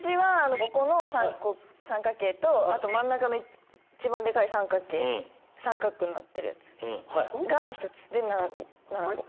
５個の三角形と真ん中の一番でかい三角形三角になってるやつが１つで７。